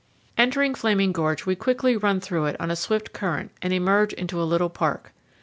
Entering Flaming Gorge, we quickly run through it on a swift current and emerge into a little park.